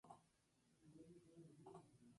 Son de nado independiente y evitan el substrato.